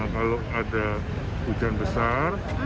kalau ada hujan besar